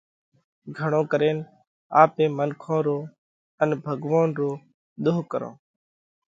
گھڻو ڪرينَ آپي منکون رو ان ڀڳوونَ رو ۮوه ڪرونه۔